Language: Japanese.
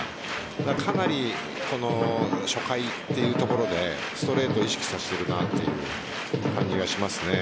かなり初回というところでストレートを意識させているなという感じがします。